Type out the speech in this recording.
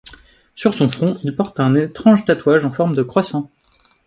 Sur son front, il porte un étrange tatouage en forme de croissant.